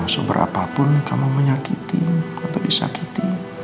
seberapapun kamu menyakiti atau disakiti